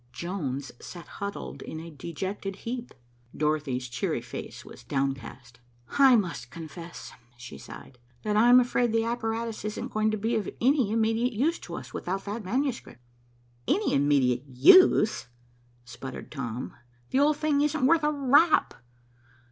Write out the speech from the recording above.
Jones sat huddled in a dejected heap. Dorothy's cheery face was downcast. "I must confess," she sighed, "that I'm afraid the apparatus isn't going to be of any immediate use to us without the manuscript." "Any immediate use!" sputtered Tom. "The old thing isn't worth a rap.